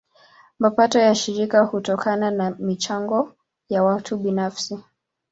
Mapato ya shirika hutokana na michango ya watu binafsi.